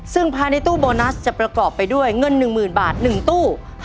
ซึ่งภายในตู้โบนัสจะประกอบไปด้วยเงิน๑๐๐๐บาท๑ตู้